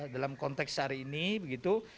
dalam konteks hari ini begitu